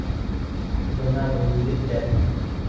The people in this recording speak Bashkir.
Бына был егеттәр!